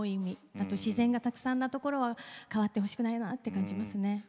あと自然がたくさんなところは変わってほしくないなって感じますね。